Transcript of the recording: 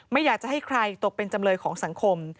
ไม่อยากจะให้ใครตกเป็นจำเลยของสังคม